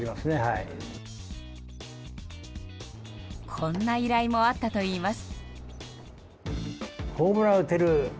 こんな依頼もあったといいます。